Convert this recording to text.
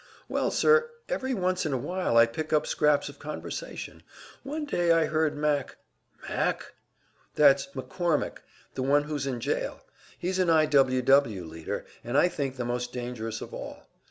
"Well, sir, every once in a while I pick up scraps of conversation. One day I heard Mac " "Mac?" "That's McCormick, the one who's in jail. He's an I. W. W. leader, and I think the most dangerous of all.